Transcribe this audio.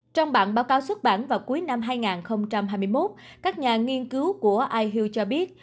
trong bản báo cáo xuất bản vào cuối năm hai nghìn hai mươi một các nhà nghiên cứu của ihu cho biết